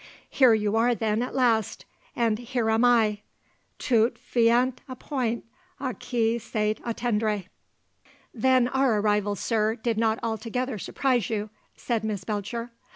Here you are then at last, and here am I tout vient a point a qui sait attendre." "Then our arrival, sir, did not altogether surprise you?" said Miss Belcher.